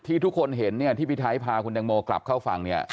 ที่ทุกคนเห็นที่พี่ไทยพาคุณตังโมกลับเข้าฝั่ง